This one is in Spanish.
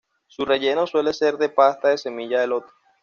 Su relleno suele ser de pasta de semilla de loto.